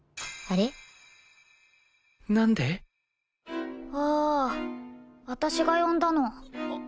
ああ私が呼んだの。